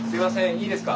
いいですか？